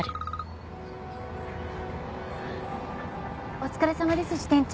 お疲れさまです支店長。